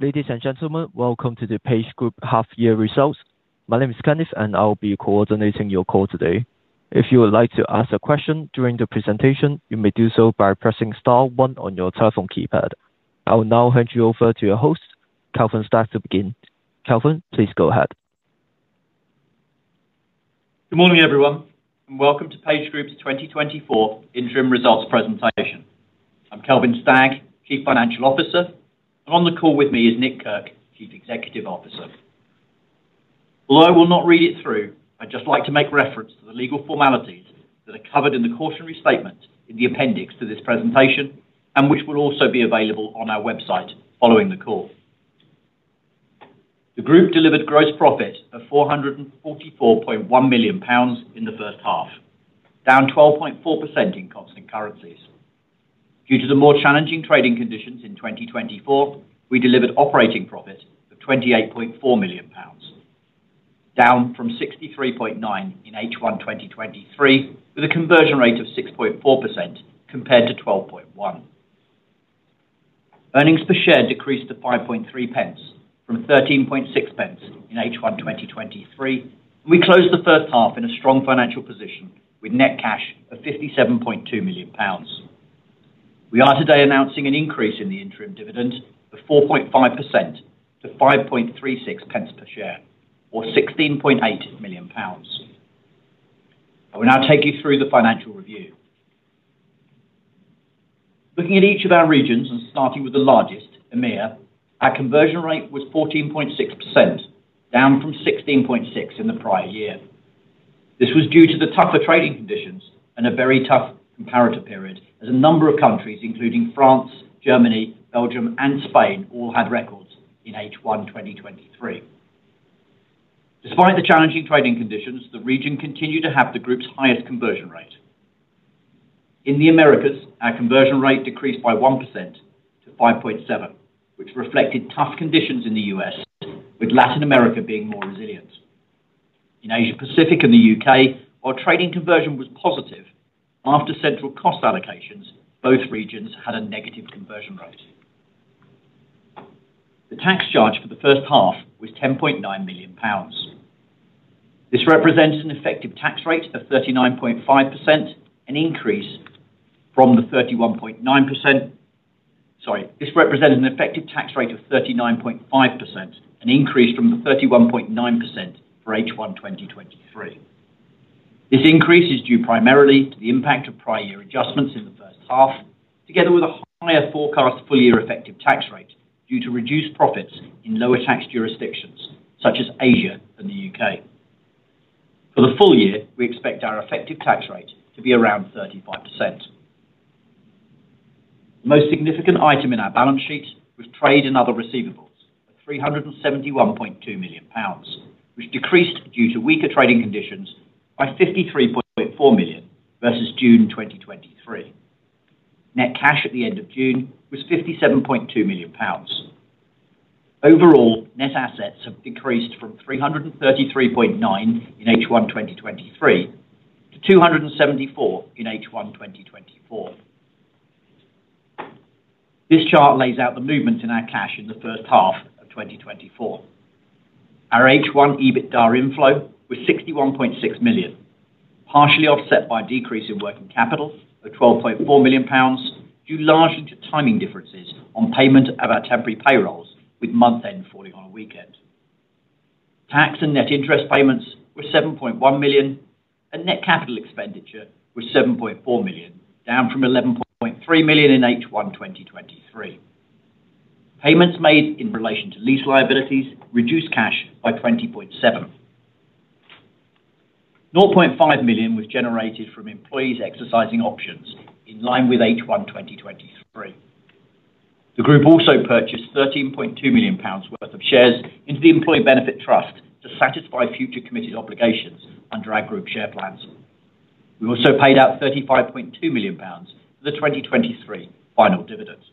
Ladies and gentlemen, welcome to the PageGroup Half Year Results. My name is Kenneth, and I will be coordinating your call today. If you would like to ask a question during the presentation, you may do so by pressing star one on your telephone keypad. I will now hand you over to your host, Kelvin Stagg, to begin. Kelvin, please go ahead. Good morning, everyone, and welcome to PageGroup's 2024 interim results presentation. I'm Kelvin Stagg, Chief Financial Officer, and on the call with me is Nick Kirk, Chief Executive Officer. Although I will not read it through, I'd just like to make reference to the legal formalities that are covered in the cautionary statement in the appendix to this presentation, and which will also be available on our website following the call. The group delivered gross profit of 444.1 million pounds in the first half, down 12.4% in constant currencies. Due to the more challenging trading conditions in 2024, we delivered operating profit of 28.4 million pounds, down from 63.9 in H1 2023, with a conversion rate of 6.4% compared to 12.1. Earnings per share decreased to 5.3 pence from 13.6 pence in H1 2023, and we closed the first half in a strong financial position with net cash of 57.2 million pounds. We are today announcing an increase in the interim dividend of 4.5% to 5.36 pence per share, or 16.8 million pounds. I will now take you through the financial review. Looking at each of our regions and starting with the largest, EMEIA, our conversion rate was 14.6%, down from 16.6% in the prior year. This was due to the tougher trading conditions and a very tough comparative period, as a number of countries, including France, Germany, Belgium, and Spain, all had records in H1 2023. Despite the challenging trading conditions, the region continued to have the group's highest conversion rate. In the Americas, our conversion rate decreased by 1% to 5.7, which reflected tough conditions in the U.S., with Latin America being more resilient. In Asia Pacific and the U.K., our trading conversion was positive. After central cost allocations, both regions had a negative conversion rate. The tax charge for the first half was 10.9 million pounds. This represents an effective tax rate of 39.5%, an increase from the 31.9%... Sorry, this represents an effective tax rate of 39.5%, an increase from the 31.9% for H1 2023. This increase is due primarily to the impact of prior year adjustments in the first half, together with a higher forecast full-year effective tax rate due to reduced profits in lower tax jurisdictions, such as Asia and the UK. For the full year, we expect our effective tax rate to be around 35%. The most significant item in our balance sheet was trade and other receivables at 371.2 million pounds, which decreased due to weaker trading conditions by 53.4 million versus June 2023. Net cash at the end of June was 57.2 million pounds. Overall, net assets have decreased from 333.9 in H1 2023 to 274 in H1 2024. This chart lays out the movement in our cash in the first half of 2024. Our H1 EBITDA inflow was 61.6 million, partially offset by a decrease in working capital of 12.4 million pounds, due largely to timing differences on payment of our temporary payrolls, with month-end falling on a weekend. Tax and net interest payments were 7.1 million, and net capital expenditure was 7.4 million, down from 11.3 million in H1 2023. Payments made in relation to lease liabilities reduced cash by 20.7 million. 0.5 million was generated from employees exercising options in line with H1 2023. The group also purchased 13.2 million pounds worth of shares into the Employee Benefit Trust to satisfy future committed obligations under our group share plans. We also paid out 35.2 million pounds for the 2023 final dividends.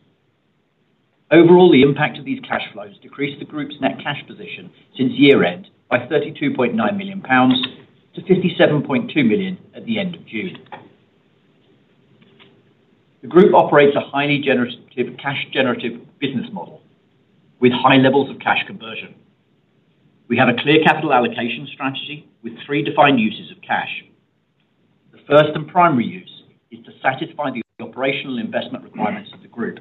Overall, the impact of these cash flows decreased the group's net cash position since year-end by 32.9 million pounds to 57.2 million at the end of June. The group operates a highly generative, cash-generative business model with high levels of cash conversion. We have a clear capital allocation strategy with three defined uses of cash. The first and primary use is to satisfy the operational investment requirements of the group,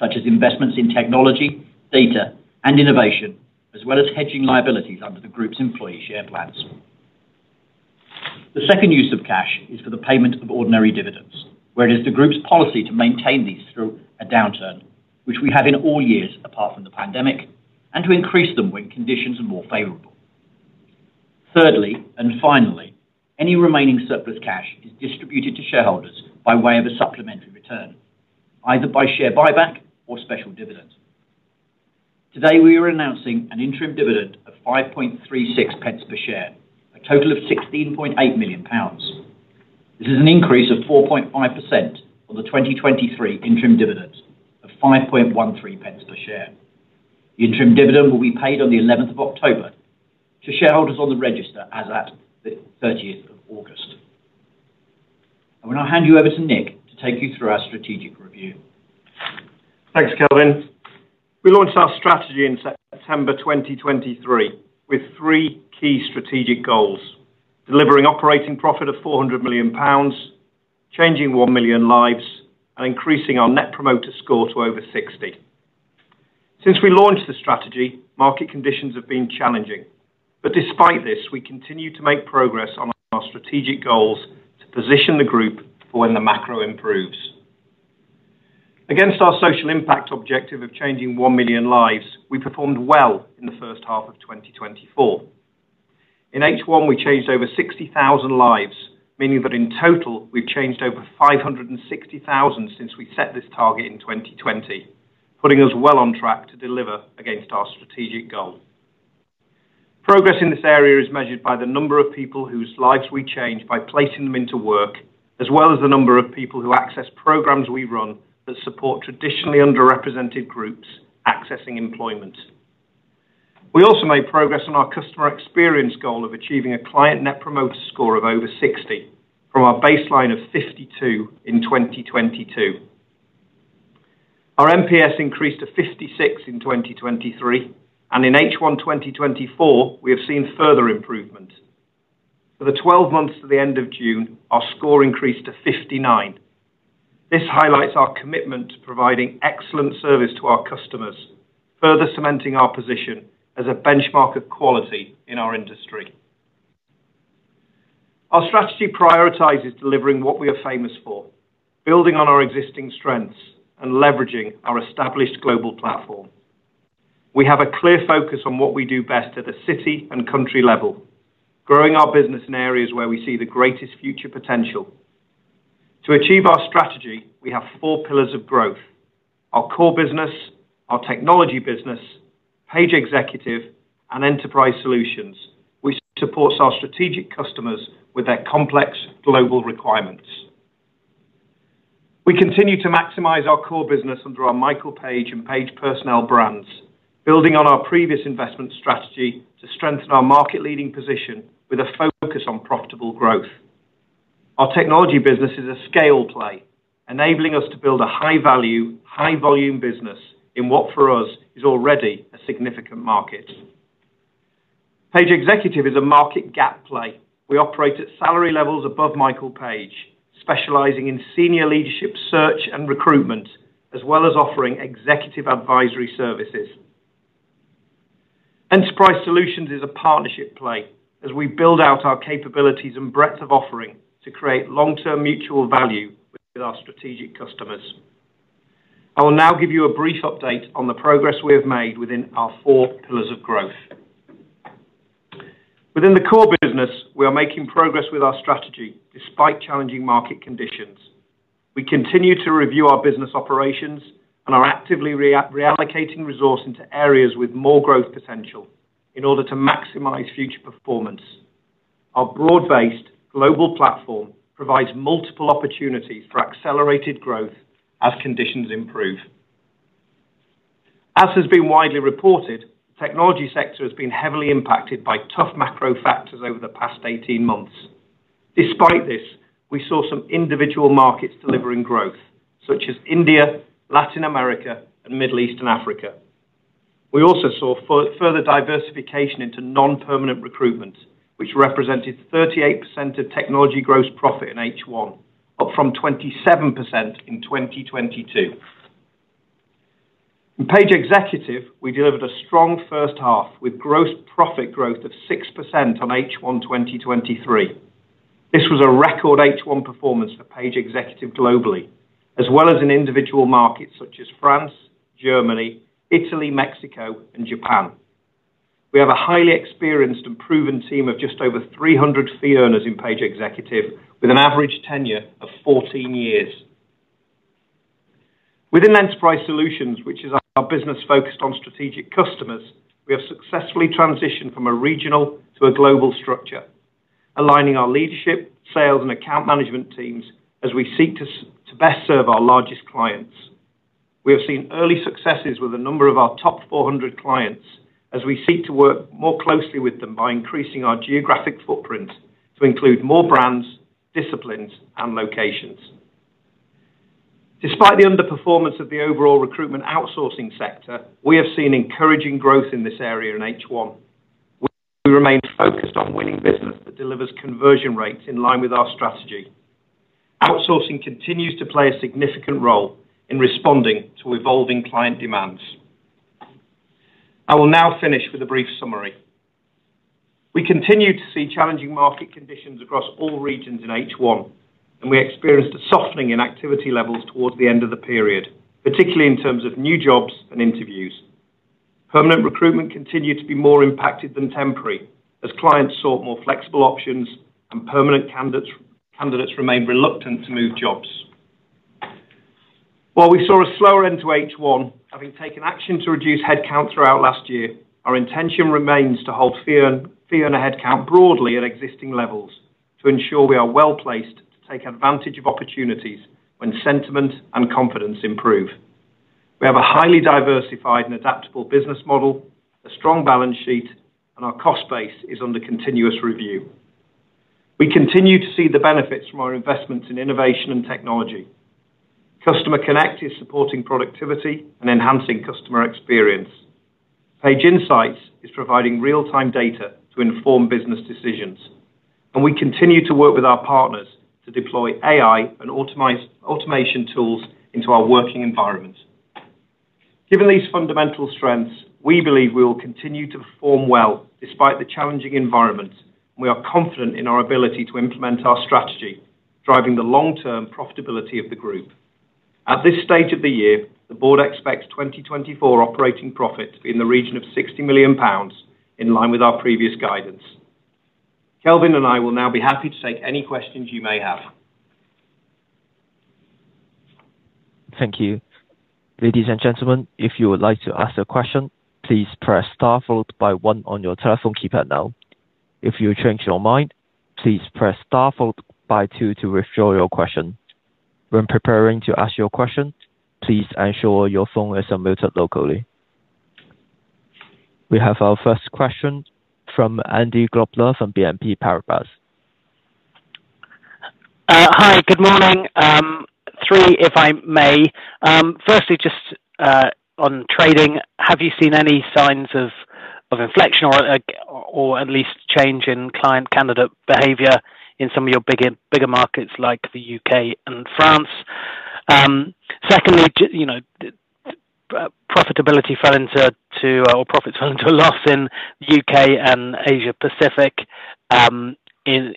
such as investments in technology, data, and innovation, as well as hedging liabilities under the group's employee share plans. The second use of cash is for the payment of ordinary dividends, where it is the group's policy to maintain these through a downturn, which we have in all years apart from the pandemic, and to increase them when conditions are more favorable. Thirdly, and finally, any remaining surplus cash is distributed to shareholders by way of a supplementary return, either by share buyback or special dividend. Today, we are announcing an interim dividend of 0.0536 per share, a total of 16.8 million pounds. This is an increase of 4.5% on the 2023 interim dividend of 0.0513 per share. The interim dividend will be paid on the eleventh of October to shareholders on the register as at the thirtieth of September.... I'm going to hand you over to Nick to take you through our strategic review. Thanks, Kelvin. We launched our strategy in September 2023, with three key strategic goals: delivering operating profit of 400 million pounds, changing 1 million lives, and increasing our Net Promoter Score to over 60. Since we launched the strategy, market conditions have been challenging, but despite this, we continue to make progress on our strategic goals to position the group for when the macro improves. Against our social impact objective of changing 1 million lives, we performed well in the first half of 2024. In H1, we changed over 60,000 lives, meaning that in total, we've changed over 560,000 since we set this target in 2020, putting us well on track to deliver against our strategic goal. Progress in this area is measured by the number of people whose lives we change by placing them into work, as well as the number of people who access programs we run that support traditionally underrepresented groups accessing employment. We also made progress on our customer experience goal of achieving a client Net Promoter Score of over 60 from our baseline of 52 in 2022. Our NPS increased to 56 in 2023, and in H1 2024, we have seen further improvement. For the 12 months to the end of June, our score increased to 59. This highlights our commitment to providing excellent service to our customers, further cementing our position as a benchmark of quality in our industry. Our strategy prioritizes delivering what we are famous for, building on our existing strengths and leveraging our established global platform. We have a clear focus on what we do best at the city and country level, growing our business in areas where we see the greatest future potential. To achieve our strategy, we have four pillars of growth: our core business, our technology business, Page Executive, and Enterprise Solutions, which supports our strategic customers with their complex global requirements. We continue to maximize our core business under our Michael Page and Page Personnel brands, building on our previous investment strategy to strengthen our market-leading position with a focus on profitable growth. Our technology business is a scale play, enabling us to build a high-value, high-volume business in what, for us, is already a significant market. Page Executive is a market gap play. We operate at salary levels above Michael Page, specializing in senior leadership search and recruitment, as well as offering executive advisory services. Enterprise Solutions is a partnership play as we build out our capabilities and breadth of offering to create long-term mutual value with our strategic customers. I will now give you a brief update on the progress we have made within our 4 pillars of growth. Within the core business, we are making progress with our strategy despite challenging market conditions. We continue to review our business operations and are actively reallocating resource into areas with more growth potential in order to maximize future performance. Our broad-based global platform provides multiple opportunities for accelerated growth as conditions improve. As has been widely reported, technology sector has been heavily impacted by tough macro factors over the past 18 months. Despite this, we saw some individual markets delivering growth, such as India, Latin America, and Middle East and Africa. We also saw further diversification into non-permanent recruitment, which represented 38% of technology gross profit in H1, up from 27% in 2022. In Page Executive, we delivered a strong first half with gross profit growth of 6% on H1 2023. This was a record H1 performance for Page Executive globally, as well as in individual markets such as France, Germany, Italy, Mexico, and Japan. We have a highly experienced and proven team of just over 300 fee earners in Page Executive, with an average tenure of 14 years. Within Enterprise Solutions, which is our business focused on strategic customers, we have successfully transitioned from a regional to a global structure, aligning our leadership, sales, and account management teams as we seek to best serve our largest clients. We have seen early successes with a number of our top 400 clients as we seek to work more closely with them by increasing our geographic footprint to include more brands, disciplines, and locations. Despite the underperformance of the overall recruitment outsourcing sector, we have seen encouraging growth in this area in H1. We remain focused on winning business that delivers conversion rates in line with our strategy. Outsourcing continues to play a significant role in responding to evolving client demands. I will now finish with a brief summary. We continue to see challenging market conditions across all regions in H1, and we experienced a softening in activity levels towards the end of the period, particularly in terms of new jobs and interviews. Permanent recruitment continued to be more impacted than temporary, as clients sought more flexible options and permanent candidates. Candidates remained reluctant to move jobs. While we saw a slower end to H1, having taken action to reduce headcount throughout last year, our intention remains to hold fee earner headcount broadly at existing levels to ensure we are well-placed to take advantage of opportunities when sentiment and confidence improve. We have a highly diversified and adaptable business model, a strong balance sheet, and our cost base is under continuous review. We continue to see the benefits from our investments in innovation and technology. Customer Connect is supporting productivity and enhancing customer experience. Page Insights is providing real-time data to inform business decisions, and we continue to work with our partners to deploy AI and automation tools into our working environment. Given these fundamental strengths, we believe we will continue to perform well despite the challenging environment. We are confident in our ability to implement our strategy, driving the long-term profitability of the group. At this stage of the year, the board expects 2024 operating profit in the region of 60 million pounds, in line with our previous guidance. Kelvin and I will now be happy to take any questions you may have. Thank you. Ladies and gentlemen, if you would like to ask a question, please press star followed by one on your telephone keypad now. If you change your mind, please press star followed by two to withdraw your question. When preparing to ask your question, please ensure your phone is unmuted locally. We have our first question from Andy Grobler from BNP Paribas. Hi, good morning. Three, if I may. Firstly, just on trading, have you seen any signs of inflection or at least change in client candidate behavior in some of your bigger markets, like the UK and France? Secondly, you know, profitability fell into loss in UK and Asia Pacific, in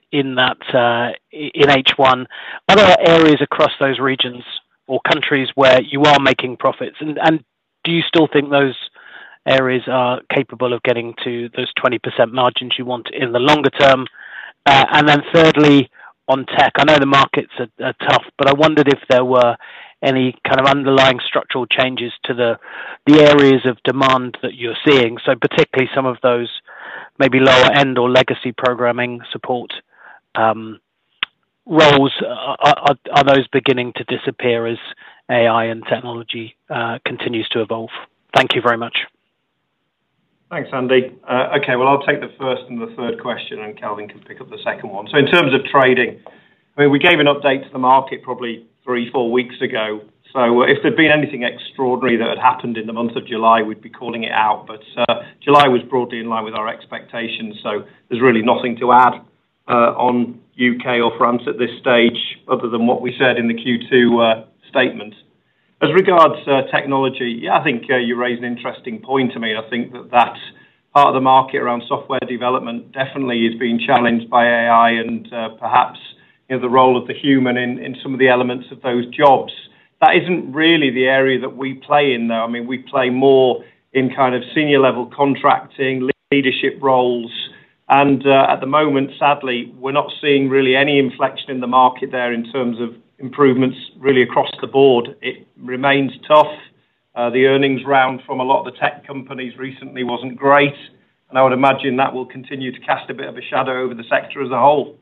H1. Are there areas across those regions or countries where you are making profits? And do you still think those areas are capable of getting to those 20% margins you want in the longer term? And then thirdly, on tech, I know the markets are tough, but I wondered if there were any kind of underlying structural changes to the areas of demand that you're seeing, so particularly some of those maybe lower end or legacy programming support roles. Are those beginning to disappear as AI and technology continues to evolve? Thank you very much. Thanks, Andy. Okay, well, I'll take the first and the third question, and Kelvin can pick up the second one. So in terms of trading, I mean, we gave an update to the market probably 3 or 4 weeks ago, so if there'd been anything extraordinary that had happened in the month of July, we'd be calling it out. But July was broadly in line with our expectations, so there's really nothing to add on UK or France at this stage other than what we said in the Q2 statement. As regards to technology, yeah, I think you raise an interesting point to me. I think that that part of the market around software development definitely is being challenged by AI and perhaps, you know, the role of the human in some of the elements of those jobs. That isn't really the area that we play in, though. I mean, we play more in kind of senior level contracting, leadership roles, and at the moment, sadly, we're not seeing really any inflection in the market there in terms of improvements really across the board. It remains tough. The earnings round from a lot of the tech companies recently wasn't great, and I would imagine that will continue to cast a bit of a shadow over the sector as a whole.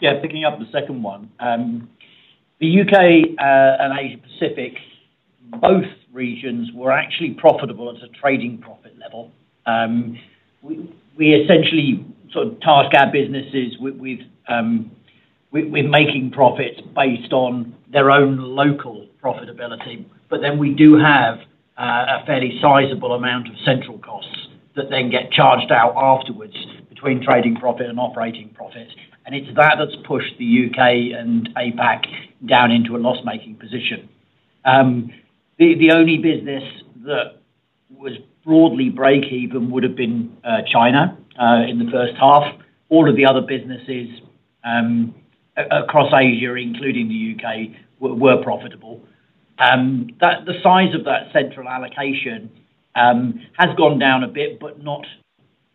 Yeah, picking up the second one. The UK and Asia Pacific, both regions were actually profitable at a trading profit level. We essentially sort of task our businesses with making profits based on their own local profitability, but then we do have a fairly sizable amount of central costs that then get charged out afterwards between trading profit and operating profits, and it's that that's pushed the UK and APAC down into a loss-making position. The only business that was broadly break even would have been China in the first half. All of the other businesses across Asia, including the UK, were profitable. The size of that central allocation has gone down a bit, but not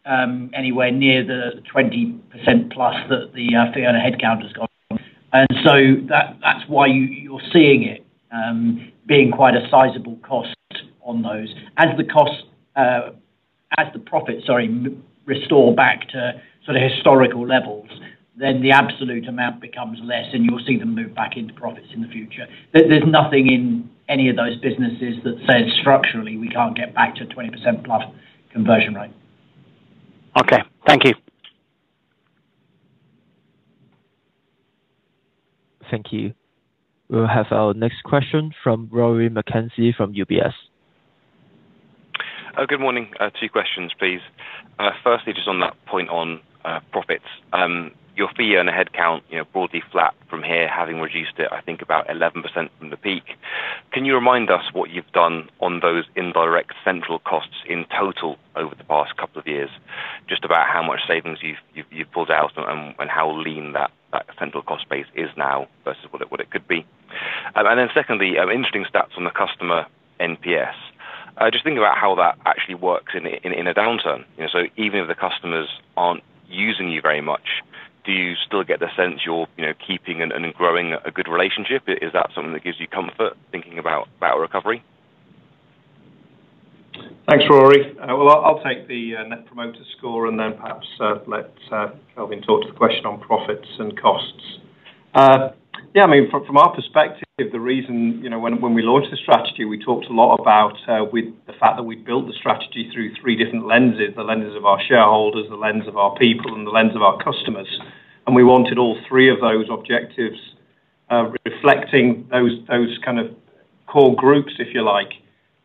anywhere near the 20%+ that the fee and the headcount has gone. And so that's why you're seeing it being quite a sizable cost on those. As the costs, as the profits, sorry, restore back to sort of historical levels, then the absolute amount becomes less, and you'll see them move back into profits in the future. There's nothing in any of those businesses that says structurally, we can't get back to 20%+ conversion rate. Okay. Thank you. Thank you. We'll have our next question from Rory McKenzie, from UBS. Oh, good morning. Two questions, please. Firstly, just on that point on profits. Your fee and the headcount, you know, broadly flat from here, having reduced it, I think, about 11% from the peak. Can you remind us what you've done on those indirect central costs in total over the past couple of years? Just about how much savings you've pulled out and how lean that central cost base is now versus what it could be. And then secondly, interesting stats on the customer NPS. Just thinking about how that actually works in a downturn. You know, so even if the customers aren't using you very much, do you still get the sense you're keeping and growing a good relationship? Is that something that gives you comfort, thinking about recovery?... Thanks, Rory. Well, I'll take the net promoter score, and then perhaps let Kelvin talk to the question on profits and costs. Yeah, I mean, from our perspective, the reason, you know, when we launched the strategy, we talked a lot about with the fact that we built the strategy through three different lenses, the lenses of our shareholders, the lens of our people, and the lens of our customers, and we wanted all three of those objectives, reflecting those kind of core groups, if you like.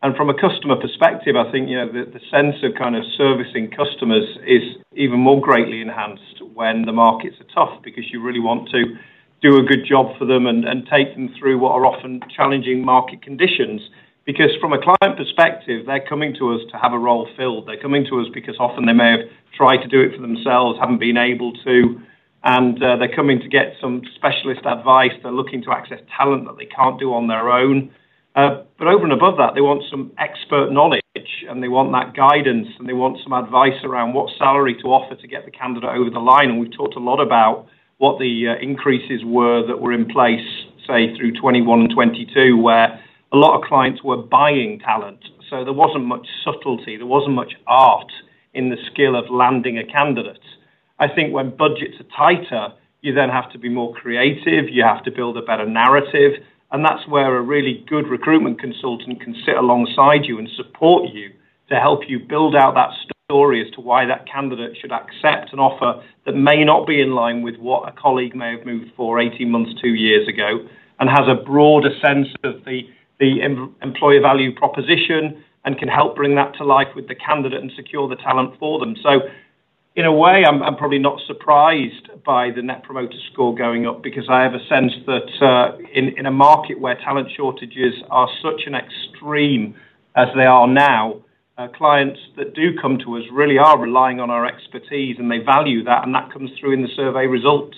And from a customer perspective, I think, you know, the sense of kind of servicing customers is even more greatly enhanced when the markets are tough, because you really want to do a good job for them and take them through what are often challenging market conditions. Because from a client perspective, they're coming to us to have a role filled. They're coming to us because often they may have tried to do it for themselves, haven't been able to, and they're coming to get some specialist advice. They're looking to access talent that they can't do on their own. But over and above that, they want some expert knowledge, and they want that guidance, and they want some advice around what salary to offer to get the candidate over the line. And we've talked a lot about what the increases were that were in place, say, through 2021 and 2022, where a lot of clients were buying talent, so there wasn't much subtlety, there wasn't much art in the skill of landing a candidate. I think when budgets are tighter, you then have to be more creative, you have to build a better narrative, and that's where a really good recruitment consultant can sit alongside you and support you, to help you build out that story as to why that candidate should accept an offer that may not be in line with what a colleague may have moved for 18 months, 2 years ago, and has a broader sense of the employer value proposition, and can help bring that to life with the candidate and secure the talent for them. So in a way, I'm probably not surprised by the Net Promoter Score going up, because I have a sense that, in a market where talent shortages are such an extreme as they are now, clients that do come to us really are relying on our expertise, and they value that, and that comes through in the survey results.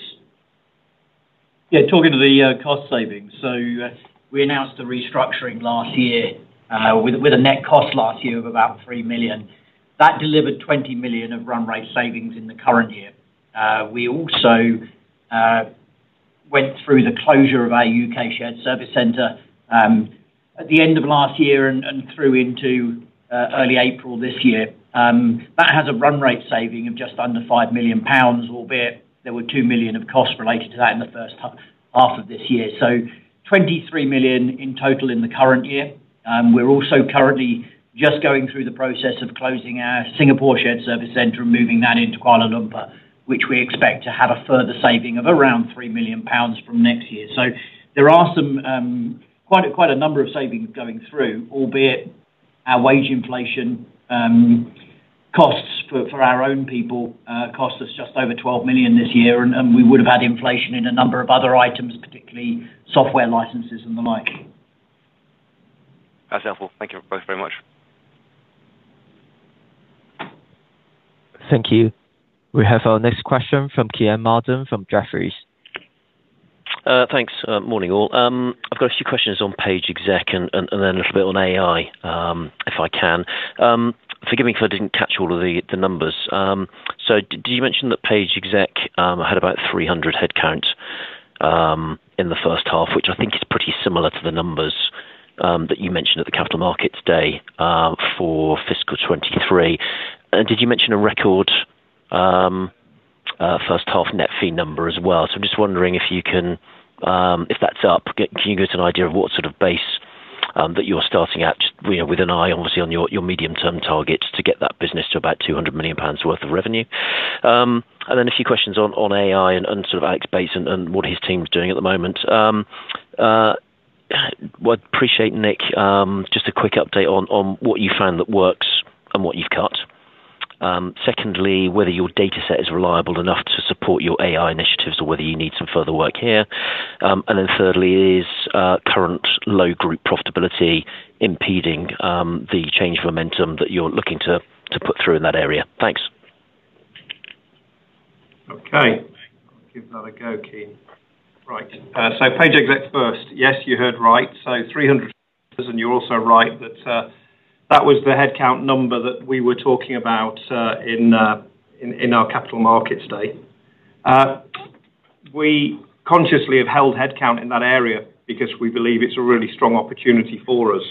Yeah, talking to the cost savings. So, we announced a restructuring last year, with a net cost last year of about 3 million. That delivered 20 million of run rate savings in the current year. We also went through the closure of our UK shared service center, at the end of last year and through into early April this year. That has a run rate saving of just under 5 million pounds, albeit there were 2 million of costs related to that in the first half of this year. So 23 million in total in the current year. We're also currently just going through the process of closing our Singapore shared service center and moving that into Kuala Lumpur, which we expect to have a further saving of around 3 million pounds from next year. So there are some quite a number of savings going through, albeit our wage inflation costs for our own people cost us just over 12 million this year, and we would have had inflation in a number of other items, particularly software licenses and the like. That's helpful. Thank you both very much. Thank you. We have our next question from Kean Marden from Jefferies. Thanks, morning, all. I've got a few questions on Page Executive and then a little bit on AI, if I can. Forgive me if I didn't catch all of the numbers. So did you mention that Page Executive had about 300 headcount in the first half, which I think is pretty similar to the numbers that you mentioned at the Capital Markets Day for fiscal 2023. And did you mention a record first half net fee number as well? So I'm just wondering if you can... If that's up, can you give us an idea of what sort of base that you're starting at, just, you know, with an eye obviously on your medium-term targets to get that business to about 200 million pounds worth of revenue? And then a few questions on AI and sort of Alex Bates and what his team's doing at the moment. Well, appreciate, Nick, just a quick update on what you found that works and what you've cut. And then secondly, whether your dataset is reliable enough to support your AI initiatives or whether you need some further work here. And then thirdly, is current PageGroup profitability impeding the change of momentum that you're looking to put through in that area? Thanks. Okay. I'll give that a go, Kean. Right, so Page exec first. Yes, you heard right, so 300- and you're also right that that was the headcount number that we were talking about in our Capital Markets Day. We consciously have held headcount in that area because we believe it's a really strong opportunity for us.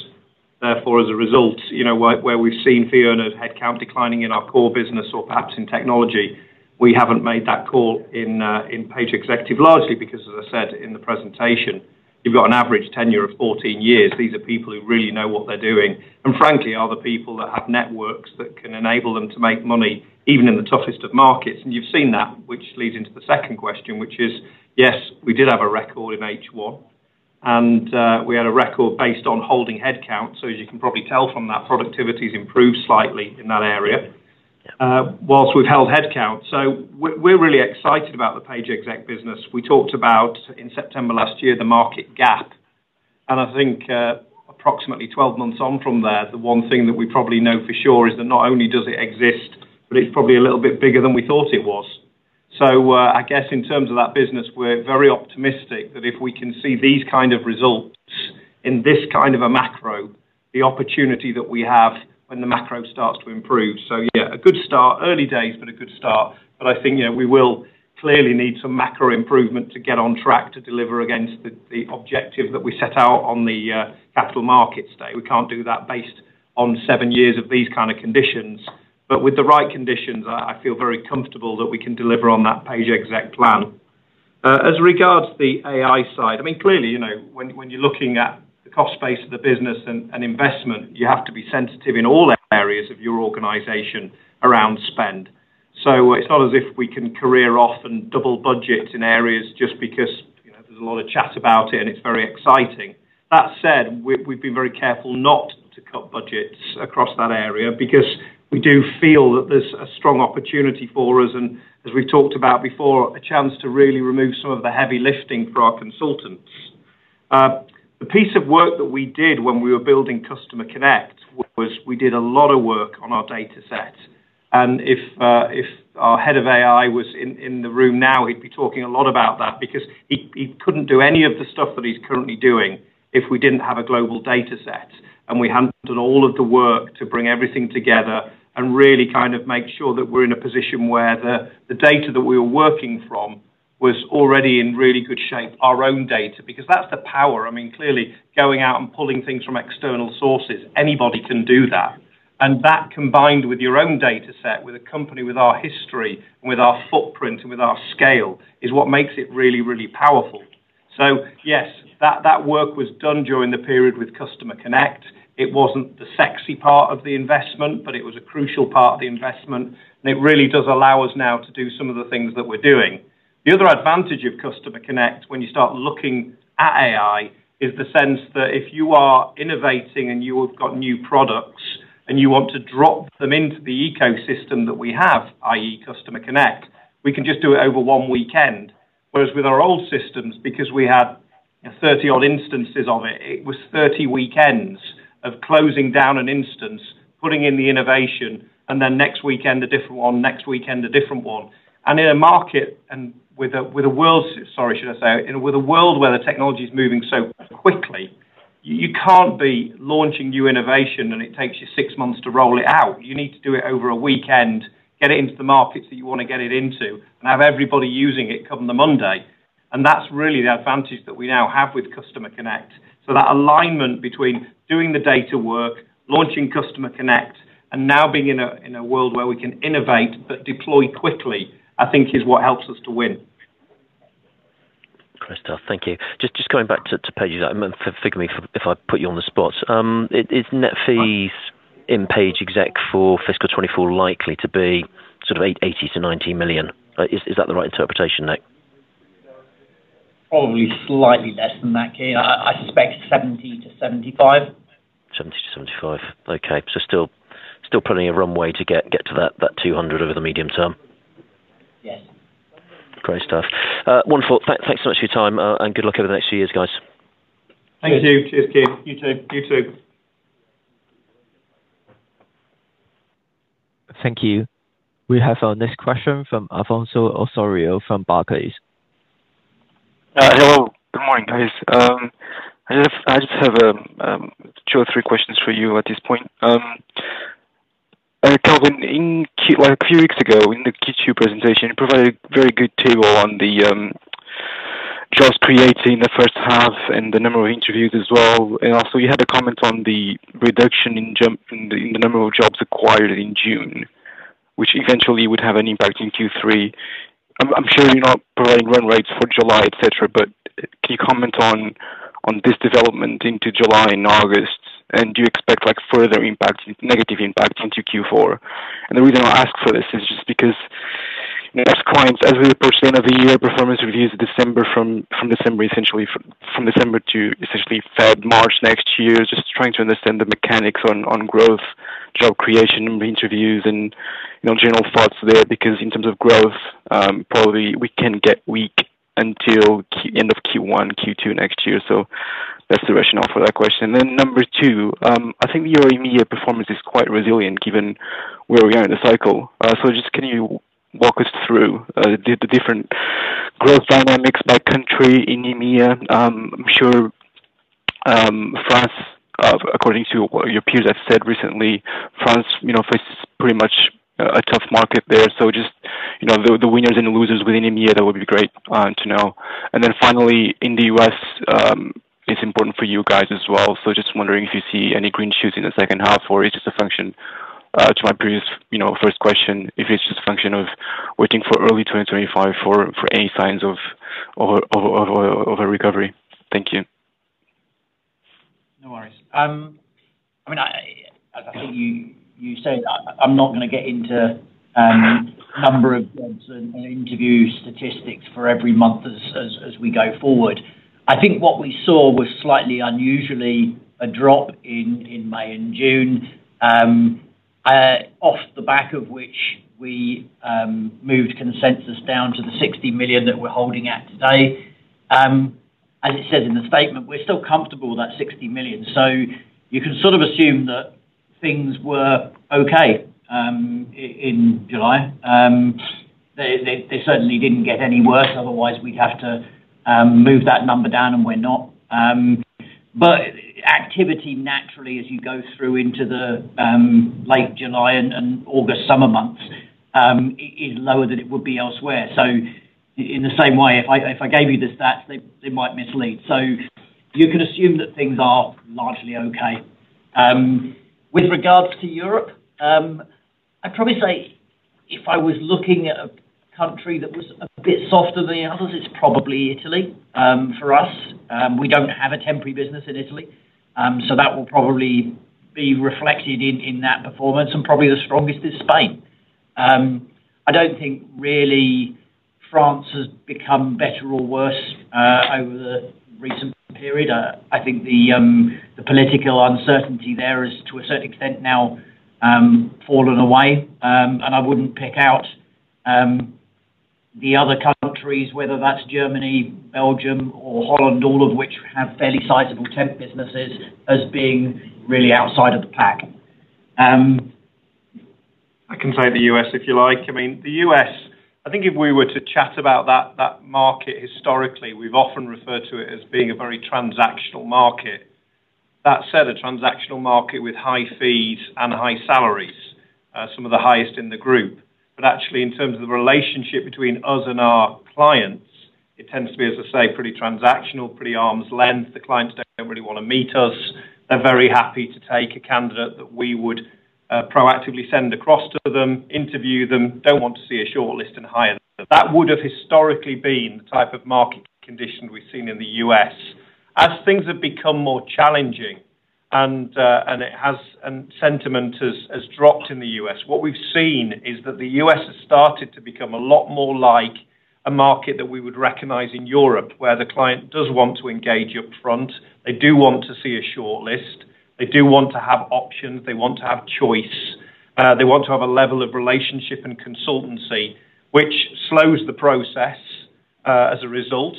Therefore, as a result, you know, where, where we've seen fee earner headcount declining in our core business or perhaps in technology, we haven't made that call in, in Page Executive, largely because, as I said in the presentation, you've got an average tenure of 14 years. These are people who really know what they're doing, and frankly, are the people that have networks that can enable them to make money even in the toughest of markets, and you've seen that, which leads into the second question, which is: Yes, we did have a record in H1, and, we had a record based on holding headcount, so as you can probably tell from that, productivity's improved slightly in that area, while we've held headcount. So we're really excited about the Page exec business. We talked about, in September last year, the market gap, and I think, approximately 12 months on from there, the one thing that we probably know for sure is that not only does it exist, but it's probably a little bit bigger than we thought it was. So, I guess in terms of that business, we're very optimistic that if we can see these kind of results in this kind of a macro, the opportunity that we have when the macro starts to improve... So yeah, a good start. Early days, but a good start, but I think, you know, we will clearly need some macro improvement to get on track to deliver against the, the objective that we set out on the, capital markets day. We can't do that based on seven years of these kind of conditions. But with the right conditions, I feel very comfortable that we can deliver on that Page Executive plan. As regards to the AI side, I mean, clearly, you know, when you're looking at the cost base of the business and investment, you have to be sensitive in all areas of your organization around spend. So it's not as if we can career off and double budget in areas just because, you know, there's a lot of chat about it, and it's very exciting. That said, we've been very careful not to cut budgets across that area because we do feel that there's a strong opportunity for us, and as we've talked about before, a chance to really remove some of the heavy lifting for our consultants. The piece of work that we did when we were building Customer Connect was we did a lot of work on our data set. And if our Head of AI was in the room now, he'd be talking a lot about that because he couldn't do any of the stuff that he's currently doing if we didn't have a global data set, and we hadn't done all of the work to bring everything together and really kind of make sure that we're in a position where the data that we were working from was already in really good shape, our own data, because that's the power. I mean, clearly, going out and pulling things from external sources, anybody can do that. And that, combined with your own data set, with a company with our history, with our footprint, and with our scale, is what makes it really, really powerful. So yes, that, that work was done during the period with Customer Connect. It wasn't the sexy part of the investment, but it was a crucial part of the investment, and it really does allow us now to do some of the things that we're doing. The other advantage of Customer Connect, when you start looking at AI, is the sense that if you are innovating and you have got new products, and you want to drop them into the ecosystem that we have, i.e., Customer Connect, we can just do it over one weekend. Whereas with our old systems, because we had 30-odd instances on it, it was 30 weekends of closing down an instance, putting in the innovation, and then next weekend, a different one, next weekend, a different one. And in a market and with a, with a world... Sorry, should I say, and with a world where the technology is moving so quickly, you can't be launching new innovation, and it takes you 6 months to roll it out. You need to do it over a weekend, get it into the markets that you want to get it into, and have everybody using it come the Monday. And that's really the advantage that we now have with Customer Connect. So that alignment between doing the data work, launching Customer Connect, and now being in a world where we can innovate but deploy quickly, I think is what helps us to win. Great stuff. Thank you. Just going back to Page Exec, and forgive me if I put you on the spot. Is net fees in Page Exec for fiscal 2024 likely to be sort of 80-90 million? Is that the right interpretation, Nick? Probably slightly less than that, Kean. I, I suspect 70-75. 70-75. Okay. So still plenty of runway to get to that 200 over the medium term? Yes. Great stuff. Wonderful. Thanks so much for your time, and good luck over the next few years, guys. Thank you. Cheers, Kenneth. You too. You too. Thank you. We have our next question from Alfonso Osorio, from Barclays. Hello. Good morning, guys. I just have two or three questions for you at this point. Kelvin, well, a few weeks ago, in the Q2 presentation, you provided a very good table on the jobs created in the first half and the number of interviews as well. And also, you had a comment on the reduction in June, in the number of jobs acquired in June, which eventually would have an impact in Q3. I'm sure you're not providing run rates for July, et cetera, but can you comment on this development into July and August? And do you expect, like, further impact, negative impact into Q4? The reason I ask for this is just because as clients, as we approach the end of the year, performance reviews December from December, essentially from December to essentially February, March next year. Just trying to understand the mechanics on growth, job creation, and interviews and, you know, general thoughts there, because in terms of growth, probably we can get weak until end of Q1, Q2 next year. So that's the rationale for that question. And then number two, I think your EMEA performance is quite resilient, given where we are in the cycle. So just can you walk us through the different growth dynamics by country in EMEA? I'm sure France, according to what your peers have said recently, France, you know, faces pretty much a tough market there. So just, you know, the winners and losers within EMEA, that would be great to know. And then finally, in the US, it's important for you guys as well, so just wondering if you see any green shoots in the second half, or is it a function to my previous, you know, first question, if it's just a function of waiting for early 2025 for any signs of a recovery? Thank you. No worries. I mean, I think you said I'm not gonna get into number of jobs and interview statistics for every month as we go forward. I think what we saw was slightly unusually a drop in May and June off the back of which we moved consensus down to the 60 million that we're holding at today. As it said in the statement, we're still comfortable with that 60 million. So you can sort of assume that things were okay in July. They certainly didn't get any worse, otherwise we'd have to-... move that number down, and we're not. But activity naturally, as you go through into the late July and August summer months, is lower than it would be elsewhere. So in the same way, if I gave you the stats, they might mislead. So you can assume that things are largely okay. With regards to Europe, I'd probably say if I was looking at a country that was a bit softer than the others, it's probably Italy, for us. We don't have a temporary business in Italy, so that will probably be reflected in that performance, and probably the strongest is Spain. I don't think really France has become better or worse, over the recent period. I think the political uncertainty there is, to a certain extent, now fallen away. I wouldn't pick out the other countries, whether that's Germany, Belgium, or Holland, all of which have fairly sizable temp businesses, as being really outside of the pack. I can take the U.S., if you like. I mean, the U.S., I think if we were to chat about that, that market historically, we've often referred to it as being a very transactional market. That said, a transactional market with high fees and high salaries, some of the highest in the group. But actually, in terms of the relationship between us and our clients, it tends to be, as I say, pretty transactional, pretty arm's length. The clients don't really want to meet us. They're very happy to take a candidate that we would, proactively send across to them, interview them, don't want to see a shortlist and hire them. That would have historically been the type of market condition we've seen in the U.S. As things have become more challenging, and it has and sentiment has dropped in the U.S., what we've seen is that the U.S. has started to become a lot more like a market that we would recognize in Europe, where the client does want to engage up front. They do want to see a shortlist. They do want to have options. They want to have choice. They want to have a level of relationship and consultancy, which slows the process, as a result.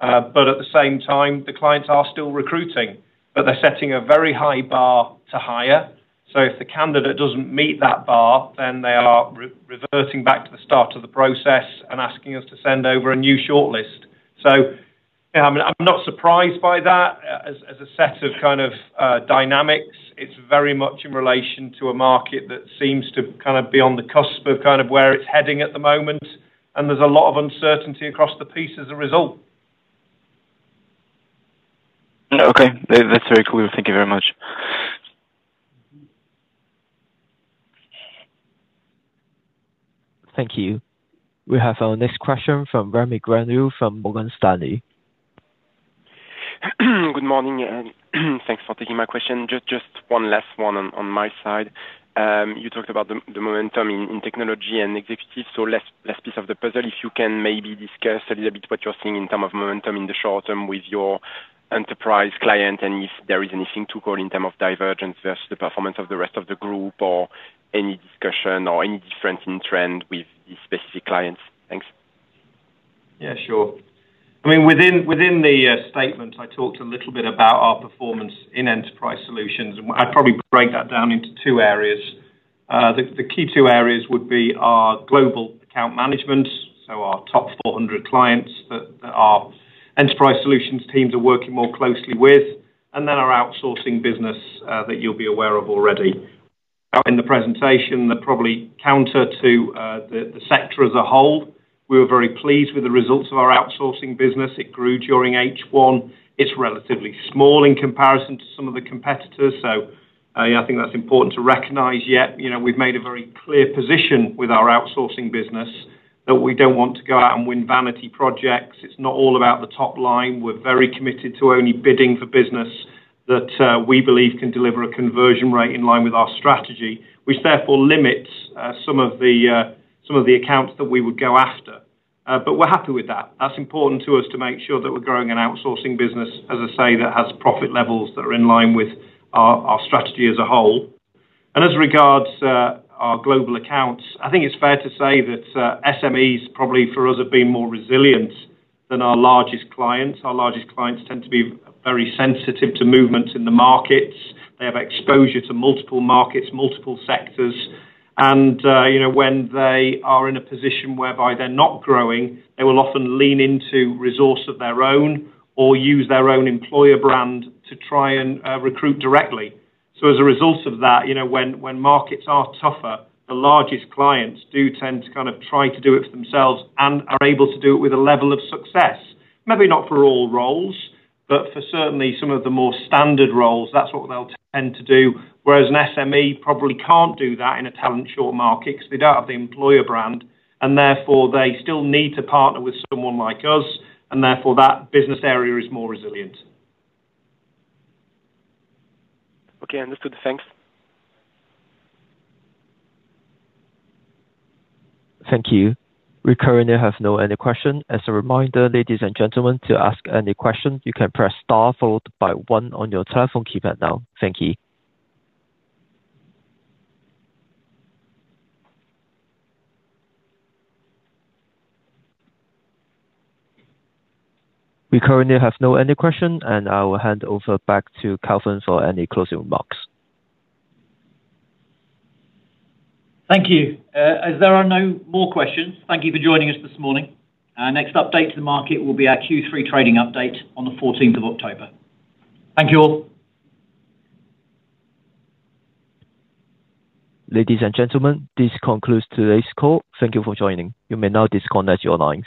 But at the same time, the clients are still recruiting, but they're setting a very high bar to hire. So if the candidate doesn't meet that bar, then they are re-reverting back to the start of the process and asking us to send over a new shortlist. So yeah, I'm not surprised by that. As a set of kind of dynamics, it's very much in relation to a market that seems to kind of be on the cusp of kind of where it's heading at the moment, and there's a lot of uncertainty across the piece as a result. Okay. That, that's very clear. Thank you very much. Thank you. We have our next question from Rémy Grenu, from Morgan Stanley. Good morning, and thanks for taking my question. Just one last one on my side. You talked about the momentum in technology and executive, so last piece of the puzzle, if you can maybe discuss a little bit what you're seeing in terms of momentum in the short term with your enterprise client, and if there is anything to call in terms of divergence versus the performance of the rest of the group, or any discussion or any difference in trend with these specific clients? Thanks. Yeah, sure. I mean, within the statement, I talked a little bit about our performance in Enterprise Solutions, and I'd probably break that down into two areas. The key two areas would be our global account management, so our top 400 clients that our Enterprise Solutions teams are working more closely with, and then our outsourcing business that you'll be aware of already. Now, in the presentation, that probably counter to the sector as a whole, we were very pleased with the results of our outsourcing business. It grew during H1. It's relatively small in comparison to some of the competitors, so yeah, I think that's important to recognize. Yet, you know, we've made a very clear position with our outsourcing business, that we don't want to go out and win vanity projects. It's not all about the top line. We're very committed to only bidding for business that we believe can deliver a conversion rate in line with our strategy, which therefore limits some of the accounts that we would go after. But we're happy with that. That's important to us to make sure that we're growing an outsourcing business, as I say, that has profit levels that are in line with our strategy as a whole. As regards to our global accounts, I think it's fair to say that SMEs probably for us have been more resilient than our largest clients. Our largest clients tend to be very sensitive to movements in the markets. They have exposure to multiple markets, multiple sectors, and you know, when they are in a position whereby they're not growing, they will often lean into resource of their own or use their own employer brand to try and recruit directly. So as a result of that, you know, when markets are tougher, the largest clients do tend to kind of try to do it for themselves and are able to do it with a level of success. Maybe not for all roles, but for certainly some of the more standard roles, that's what they'll tend to do. Whereas an SME probably can't do that in a talent short market, because they don't have the employer brand, and therefore, they still need to partner with someone like us, and therefore, that business area is more resilient. Okay, understood. Thanks. Thank you. We currently have no any question. As a reminder, ladies and gentlemen, to ask any question, you can press star followed by one on your telephone keypad now. Thank you. We currently have no any question, and I will hand over back to Kelvin for any closing remarks. Thank you. As there are no more questions, thank you for joining us this morning. Our next update to the market will be our Q3 trading update on the fourteenth of October. Thank you all. Ladies and gentlemen, this concludes today's call. Thank you for joining. You may now disconnect your lines.